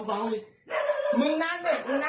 ฟังมึงนั้นเนี่ยตายตาม